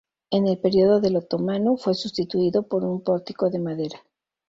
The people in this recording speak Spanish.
En el período del otomano fue substituido por un pórtico de madera.